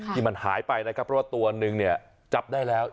ที่มันหายไปนะครับเพราะว่าตัวนึงเนี่ยจับได้แล้ว